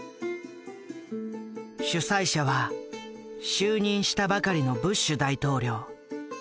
主催者は就任したばかりのブッシュ大統領。